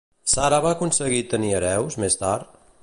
Sara va aconseguir tenir hereus, més tard?